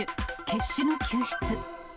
決死の救出。